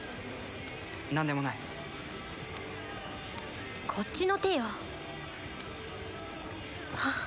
何でもないこっちの手よあっ